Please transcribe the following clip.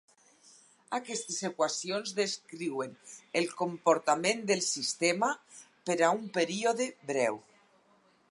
Aquestes equacions descriuen el comportament del sistema per a un període breu.